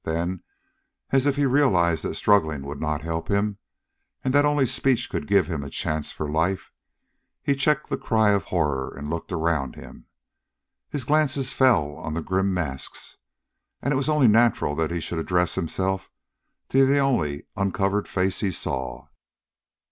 Then, as if he realized that struggling would not help him, and that only speech could give him a chance for life, he checked the cry of horror and looked around him. His glances fell on the grim masks, and it was only natural that he should address himself to the only uncovered face he saw.